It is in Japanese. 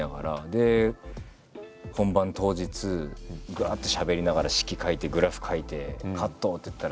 で本番当日ぐわってしゃべりながら式書いてグラフ描いて「カット！」って言ったら先生